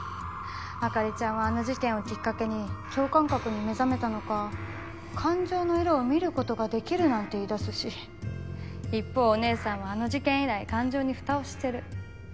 朱梨ちゃんはあの事件をきっかけに共感覚に目覚めたのか感情の色を見ることができるなんて言い出すし一方お姉さんはあの事件以来感情に蓋をしてる。